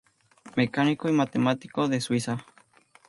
Mecánico y matemático de Suiza.